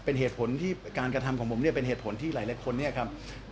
เป็นเหตุผลที่การกระทำของผมเนี่ยเป็นเหตุผลที่หลายคนเนี่ยครับ